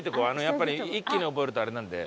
やっぱり一気に覚えるとあれなんで。